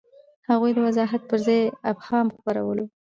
هغوی د وضاحت پر ځای ابهام خپرولو.